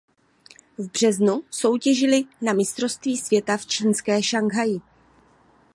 V březnu soutěžili na mistrovství světa v čínské Šanghaji.